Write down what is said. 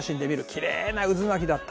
きれいな渦巻きだった。